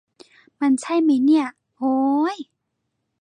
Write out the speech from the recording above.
มันใช่มั๊ยเนี่ย โอ้ย